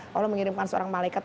kalau mengirimkan seorang malaikat